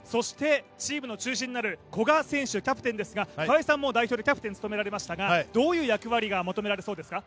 チームの中心になる古賀選手、キャプテンですが川合さんも代表でキャプテンを務められましたがどういう役割が求められそうですか？